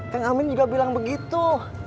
kang amin juga bilang begitu